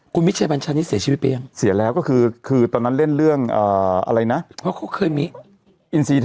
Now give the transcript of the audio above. คุณมิตรชัยบัญชานี้เสียชีวิตเปลี่ยงเสียแล้วก็คือตอนนั้นเล่นเรื่องอะไรนะเคยมี